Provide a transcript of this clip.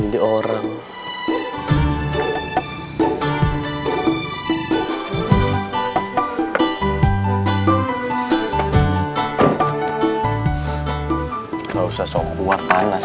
eh ini orang kunanta ya